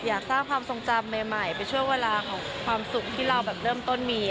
อยากสร้างความทรงจำใหม่เป็นช่วงเวลาของความสุขที่เราแบบเริ่มต้นมี